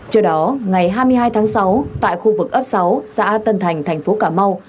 trước đó ngày hai mươi hai tháng sáu tại khu vực ấp sáu xã tân thành tp cà mau